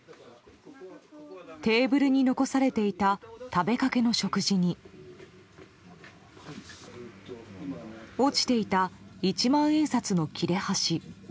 テーブルに残されていた食べかけの食事に落ちていた一万円札の切れ端。